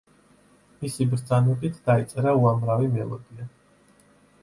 მისი ბრძანებით დაიწერა უამრავი მელოდია.